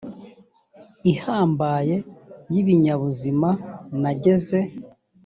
ihambaye y ibinyabuzima nageze